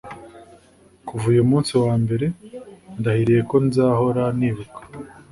kuva uyu munsi wa mbere, ndahiriye ko nzahora nibuka